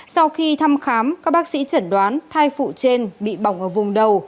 sau khi thăm khám các bác sĩ chẩn đoán thai phụ trên bị bỏng ở vùng đầu